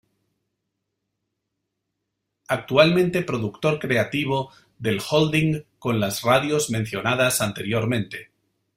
Actualmente productor creativo del holding con las radios mencionadas anteriormente.